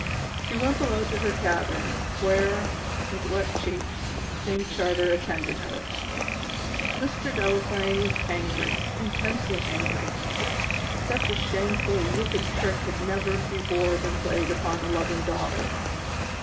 She went below to her cabin, where, with wet cheeks, Dame Charter attended her. Mr. Delaplaine was angry, intensely angry. Such a shameful, wicked trick had never before been played upon a loving daughter.